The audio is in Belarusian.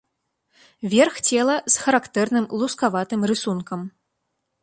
Верх цела з характэрным лускаватым рысункам.